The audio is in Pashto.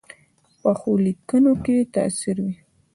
پخو لیکنو کې تاثیر وي